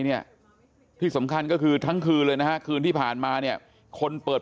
เนี่ยที่สำคัญก็คือทั้งคืนเลยนะฮะคืนที่ผ่านมาเนี่ยคนเปิด